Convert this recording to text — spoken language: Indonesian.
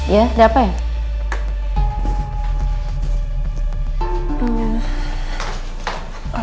ya ada apa ya